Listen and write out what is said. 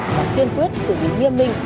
và kiên quyết xử lý nghiêm minh